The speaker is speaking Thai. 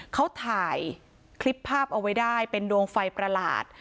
เขาถ่ายคลิปภาพเอาไว้ได้เป็นดวงไฟประหลาด